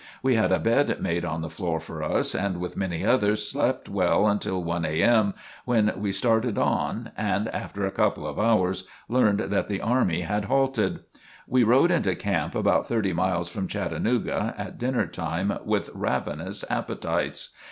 We had a bed made on the floor for us and, with many others, slept well until 1 a.m., when we started on, and after a couple of hours learned that the army had halted. We rode into camp, about thirty miles from Chattanooga, at dinner time with ravenous appetites.